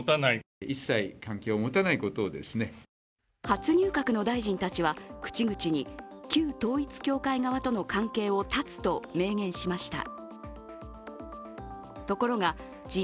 初入閣の大臣たちは、口々に旧統一教会側との関係を断つと明言しました。